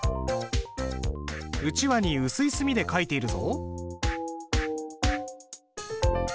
うちわに薄い墨で書いているぞ。